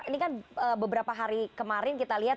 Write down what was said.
ini kan beberapa hari kemarin kita lihat